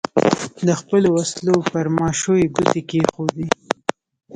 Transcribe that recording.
د خپلو وسلو پر ماشو یې ګوتې کېښودې.